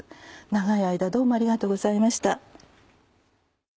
長い間どうもありがとうございました。